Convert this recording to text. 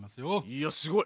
いやすごい！